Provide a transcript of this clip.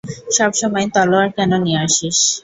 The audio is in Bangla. সবসময় তলোয়ার কেন নিয়ে আসিস?